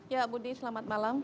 ya budi selamat malam